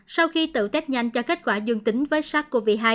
sau khi tự test nhanh cho kết quả dương tính với sars cov hai